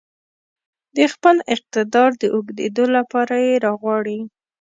د خپل اقتدار د اوږدېدو لپاره يې راغواړي.